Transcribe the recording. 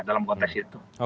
dalam konteks itu